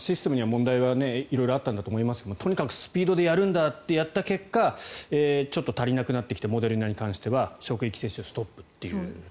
システムに問題は色々あったんだと思いますがとにかくスピードでやるんだとやった結果ちょっと足りなくなってきてモデルナに関しては職域接種ストップという。